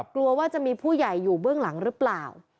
กลัวว่าจะมีผู้ใหญ่อยู่เบื้องหลังหรือเปล่า